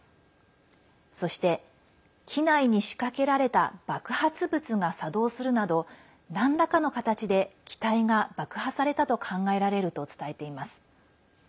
そして、機内に仕掛けられた爆発物が作動するなどなんらかの形で機体が爆破されたと考えられると伝えています。